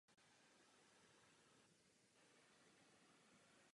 Věž měla vlastní studnu a mohla v ní být uložena i velká zásoba potravin.